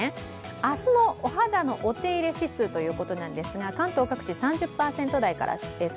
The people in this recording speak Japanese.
明日のお肌のお手入れ指数ということなんですが、関東各地３０％台。